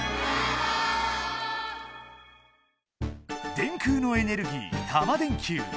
電空のエネルギータマ電Ｑ。